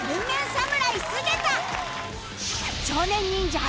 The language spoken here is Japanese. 侍菅田